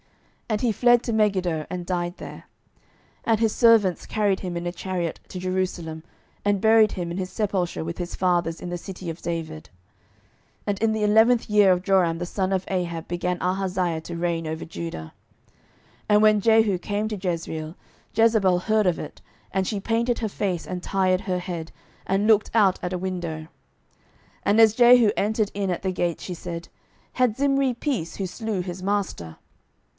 And he fled to Megiddo, and died there. 12:009:028 And his servants carried him in a chariot to Jerusalem, and buried him in his sepulchre with his fathers in the city of David. 12:009:029 And in the eleventh year of Joram the son of Ahab began Ahaziah to reign over Judah. 12:009:030 And when Jehu was come to Jezreel, Jezebel heard of it; and she painted her face, and tired her head, and looked out at a window. 12:009:031 And as Jehu entered in at the gate, she said, Had Zimri peace, who slew his master?